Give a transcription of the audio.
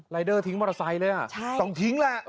เดอร์ทิ้งมอเตอร์ไซค์เลยต้องทิ้งแหละ